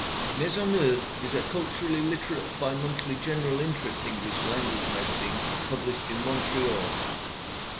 "Maisonneuve" is a culturally literate bimonthly general-interest English-language magazine published in Montreal.